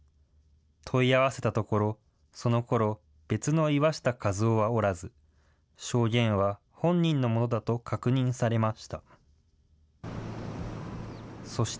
問い合わせたところ、そのころ、別のイワシタカズオはおらず、証言は本人のものだと確認されました。